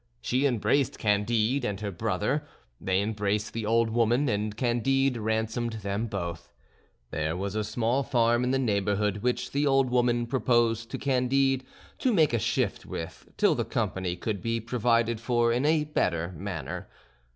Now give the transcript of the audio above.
She embraced Candide and her brother; they embraced the old woman, and Candide ransomed them both. There was a small farm in the neighbourhood which the old woman proposed to Candide to make a shift with till the company could be provided for in a better manner.